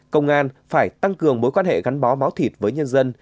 công an phải tăng cường mối quan hệ gắn bó máu thịt với nhân dân